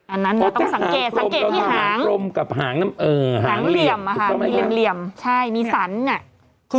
อันนั้นเราต้องสังเกตที่หางหางเมื่อหางเหลี่ยมใช่มีสันเนี่ย